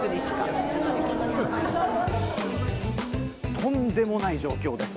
とんでもない状況です。